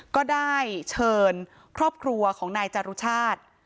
ก็ได้เชิญครอบครัวของนายจรุชาติ